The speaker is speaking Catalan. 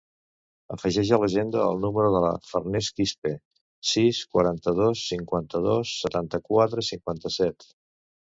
Afegeix a l'agenda el número de la Farners Quispe: sis, quaranta-dos, cinquanta-dos, setanta-quatre, cinquanta-set.